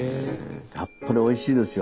やっぱりおいしいですよ。